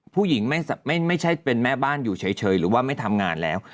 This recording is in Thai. ไม่ใช่เป็นแม่บ้านอยู่เฉยหรือว่าไม่ทำงานแล้ว